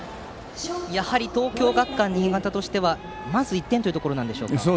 やはり東京学館新潟としてはまず１点というところでしょうか。